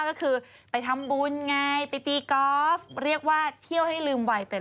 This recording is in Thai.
ก็คือไปทำบุญไงไปตีกอล์ฟเรียกว่าเที่ยวให้ลืมวัยเป็น